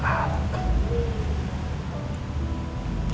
kamu harus bisa mencintai dia